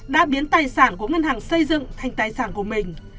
đã biến tài sản của ngân hàng xây dựng thành tài sản của mình